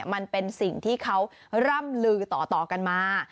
มันเป็นสิ่งที่เขาร่ำลือต่อกันมา